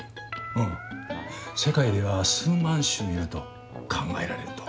世界では数万種いると考えられる」と。